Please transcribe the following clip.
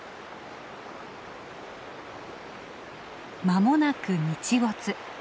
まもなく日没。